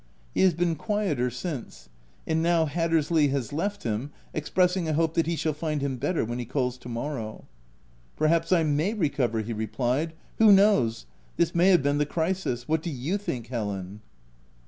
He has been quieter since ; and now Hattersley has left him, expressing a hope that he shall find him better when he calls to morrow. a Perhaps, I may recover/' he replied, u who knows ?— this may have been the crisis. What do you think, Helen